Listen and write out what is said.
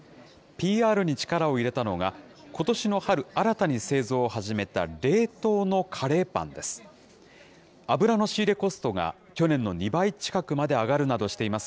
ＰＲに力を入れたのが、ことしの春、新たに製造を始めた冷凍のカレーパンです。